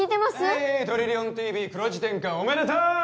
はいトリリオンＴＶ黒字転換おめでとう！